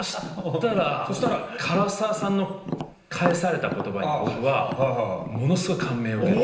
そしたら唐沢さんの返された言葉に僕はものスゴい。